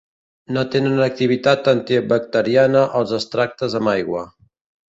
No tenen activitat antibacteriana els extractes amb aigua.